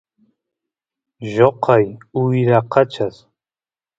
lloqay wyrakachas